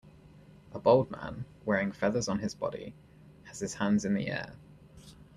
A bald man, wearing feathers on his body, has his hands in the air.